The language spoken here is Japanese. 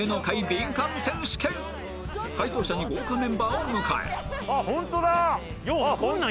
解答者に豪華メンバーを迎え